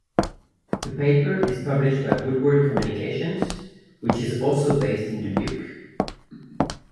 The paper is published by Woodward Communications, which is also based in Dubuque.